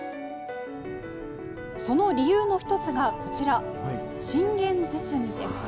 その理由の一つがこちら、信玄堤です。